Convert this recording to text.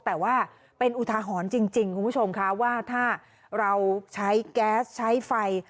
แต่ว่าเป็นอุทาหรณ์จริงคุณผู้ชมค่ะว่าถ้าเราใช้แก๊สใช้ไฟ